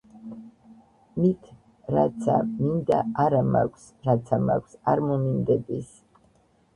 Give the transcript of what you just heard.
მით რაცა მინდა, არა მაქვს, რაცა მაქვს, არ მომინდების.